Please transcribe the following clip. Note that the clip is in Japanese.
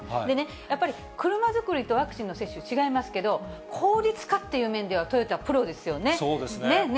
やっぱり車作りとワクチンの接種、違いますけど、効率化っていう面では、トヨタ、プロですよね。